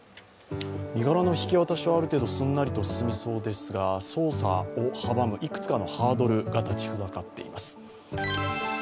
身柄の引き渡しはある程度すんなりと進みそうですが捜査を阻むいくつかのハードルが立ちはだかっています。